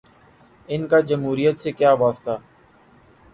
ان کا جمہوریت سے کیا واسطہ۔